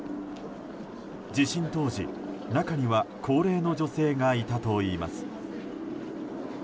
地震当時、中には高齢の女性がいたといいます。